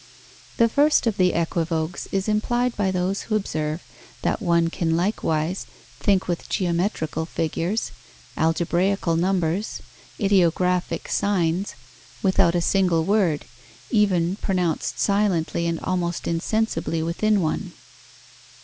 The first of the equivoques is implied by those who observe that one can likewise think with geometrical figures, algebraical numbers, ideographic signs, without a single word, even pronounced silently and almost insensibly within one.